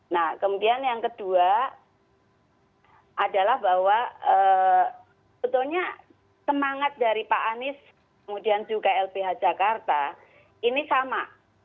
nah kemudian yang kedua adalah bahwa betulnya semangat dari pak anies kemudian juga lbh jakarta ini sama